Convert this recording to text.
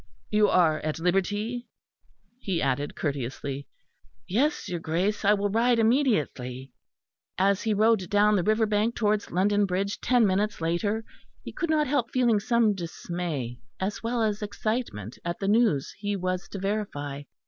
You are at liberty?" he added courteously. "Yes, your Grace, I will ride immediately." As he rode down the river bank towards London Bridge ten minutes later, he could not help feeling some dismay as well as excitement at the news he was to verify.